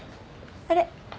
あれ？